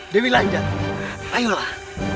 dewi lanjar ayolah